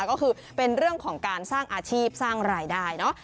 ก็คือเป็นเรื่องของการสร้างอาชีพสร้างรายได้เนอะ